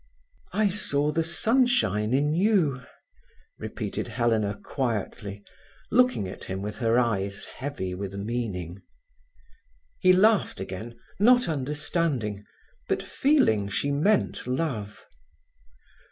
"I saw the sunshine in you," repeated Helena quietly, looking at him with her eyes heavy with meaning. He laughed again, not understanding, but feeling she meant love.